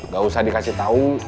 gak usah dikasih tau